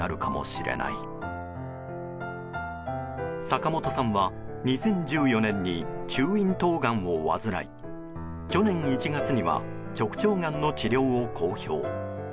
坂本さんは、２０１４年に中咽頭がんを患い去年１月には直腸がんの治療を公表。